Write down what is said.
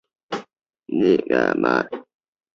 中国西藏是世界上盛产硼砂的地方之一。